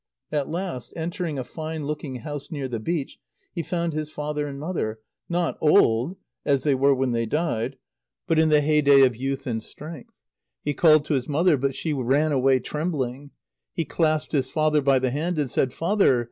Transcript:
At last, entering a fine looking house near the beach, he found his father and mother, not old, as they were when they died, but in the heyday of youth and strength. He called to his mother, but she ran away trembling. He clasped his father by the hand, and said: "Father!